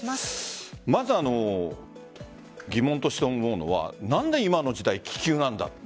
まず疑問として思うのは何で今の時代気球なんだ。